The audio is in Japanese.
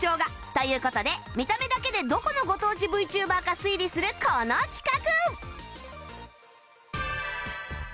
という事で見た目だけでどこのご当地 ＶＴｕｂｅｒ か推理するこの企画